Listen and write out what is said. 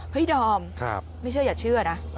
ดอมไม่เชื่ออย่าเชื่อนะ